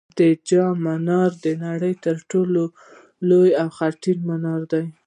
د جام منار د نړۍ تر ټولو لوړ خټین منار دی